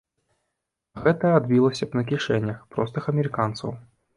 А гэта адбілася б на кішэнях простых амерыканцаў.